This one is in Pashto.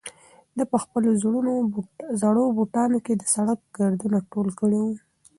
ده په خپلو زړو بوټانو کې د سړک ګردونه ټول کړي وو.